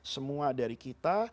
semua dari kita